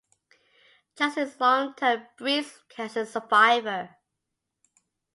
Johnson is a long-term breast cancer survivor.